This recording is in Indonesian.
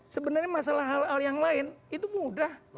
sebenarnya masalah hal hal yang lain itu mudah